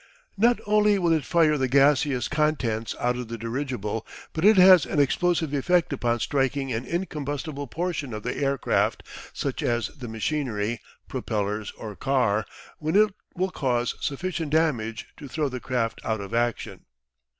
Not only will it fire the gaseous contents out of the dirigible, but it has an explosive effect upon striking an incombustible portion of the aircraft, such as the machinery, propellers or car, when it will cause sufficient damage to throw the craft out of action.